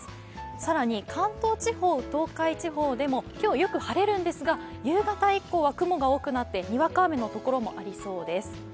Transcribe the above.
更に関東地方、東海地方でも今日はよく晴れるんですが夕方以降は雲が多くなって、にわか雨のところもありそうです。